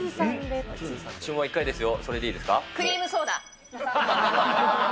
注文は１回ですよ。